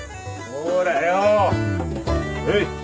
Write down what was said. ほい。